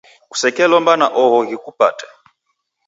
kusekelomba na oho ghikupate.